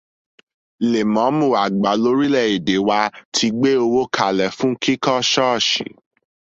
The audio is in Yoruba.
Lèmọ́mù àgbà lórílẹ̀ èdè wa ti gbé owó kalẹ̀ fún kíkọ́ Ṣọ́ọ̀ṣì